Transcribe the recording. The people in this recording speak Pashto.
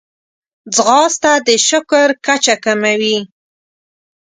ځغاسته د شکر کچه کموي